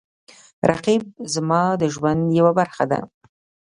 رقیب زما د ژوند یوه برخه ده